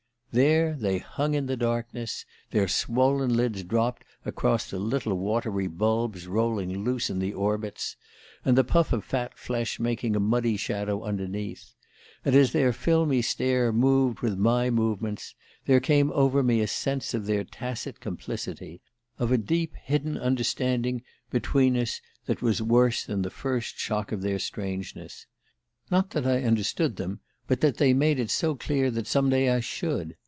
"There they hung in the darkness, their swollen lids dropped across the little watery bulbs rolling loose in the orbits, and the puff of fat flesh making a muddy shadow underneath and as their filmy stare moved with my movements, there came over me a sense of their tacit complicity, of a deep hidden understanding between us that was worse than the first shock of their strangeness. Not that I understood them; but that they made it so clear that some day I should